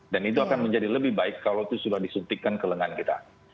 dan itu akan menjadi lebih baik kalau itu sudah disuntikkan ke lengan kita